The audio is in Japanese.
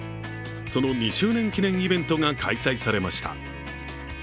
その２周年記念イベントが開催されました。